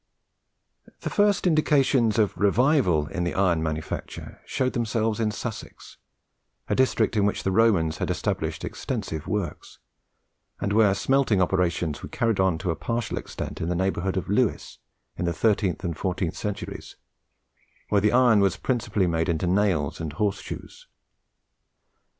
The first indications of revival in the iron manufacture showed themselves in Sussex, a district in which the Romans had established extensive works, and where smelting operations were carried on to a partial extent in the neighbourhood of Lewes, in the thirteenth and fourteenth centuries, where the iron was principally made into nails and horse shoes.